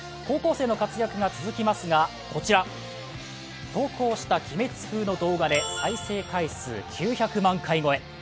高校生の活躍が続きますが、こちら投稿した鬼滅風の動画で再生回数９００万回超え。